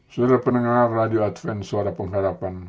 saudara pendengar radio adven suara pengharapan